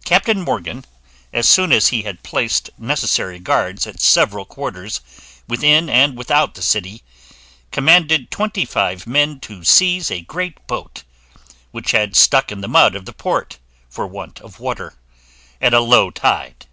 _ CAPTAIN MORGAN, as soon as he had placed necessary guards at several quarters within and without the city, commanded twenty five men to seize a great boat, which had stuck in the mud of the port, for want of water, at a low tide.